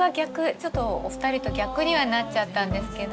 ちょっとお二人と逆にはなっちゃったんですけど。